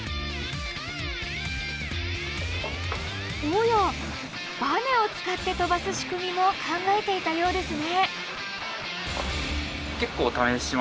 おやバネを使って飛ばす仕組みも考えていたようですね。